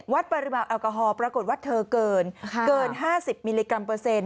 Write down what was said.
ปริมาณแอลกอฮอลปรากฏว่าเธอเกิน๕๐มิลลิกรัมเปอร์เซ็นต